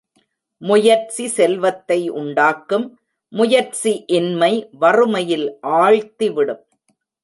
முயற்சி செல்வத்தை உண்டாக்கும், முயற்சி இன்மை வறுமையில் ஆழ்த்திவிடும்.